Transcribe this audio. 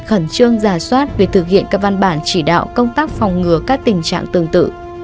khẩn trương giả soát việc thực hiện các văn bản chỉ đạo công tác phòng ngừa các tình trạng tương tự